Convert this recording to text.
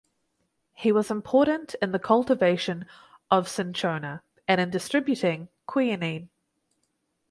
He was important in the cultivation of "Cinchona" and in distributing quinine.